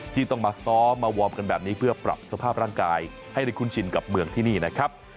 ที่ต้องมาซ้อมมาวอร์มกันแบบนี้เพื่อปรับสภาพร่างกายให้ได้คุ้นชินกับเมืองที่นี่นะครับ